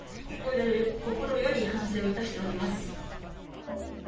心より反省をいたしております。